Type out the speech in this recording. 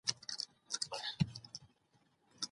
وېره په اوسني وخت کې د خطر په وړاندې یو غبرګون دی.